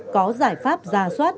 có giải pháp ra soát